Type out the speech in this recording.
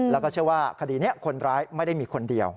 แล้วก็เชื่อว่าคดีนี้คนร้ายไม่ได้มีคนเดียว